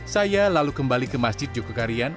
saya lalu kembali ke masjid jukarian